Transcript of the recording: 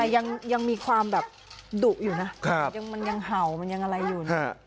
แต่ยังมีความแบบดุอยู่นะมันยังเห่ามันยังอะไรอยู่นะ